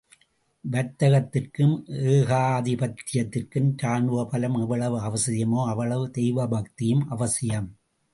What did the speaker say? வர்த்தகத்திற்கும் ஏகாதிபத்தியத்திற்கும் ராணுவ பலம் எவ்வளவு அவசியமோ, அவ்வளவு தெய்வ பக்தியும் அவசியம்.